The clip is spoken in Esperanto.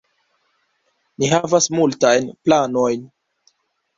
Ni havas multajn planojn.